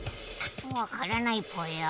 わからないぽよ。